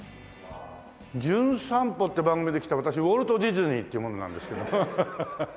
『じゅん散歩』って番組で来た私ウォルト・ディズニーっていう者なんですけど。